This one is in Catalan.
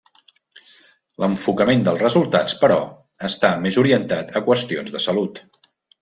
L'enfocament dels resultats, però, està més orientat a qüestions de salut.